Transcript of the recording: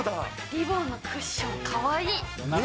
リボンのクッション、かわいい。